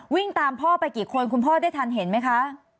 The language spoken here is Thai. วิ่งตามพ่อไปกี่คนคุณพ่อได้ทันเห็นไหมคะ